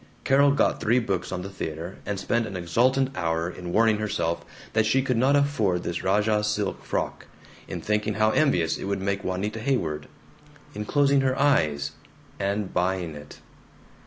Carol got three books on the theater, and spent an exultant hour in warning herself that she could not afford this rajah silk frock, in thinking how envious it would make Juanita Haydock, in closing her eyes, and buying it.